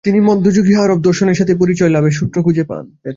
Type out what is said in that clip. তিনি মধ্যযুগীয় আরব দর্শনের সাথে পরিচয় লাভের সূত্র খুঁজে পান।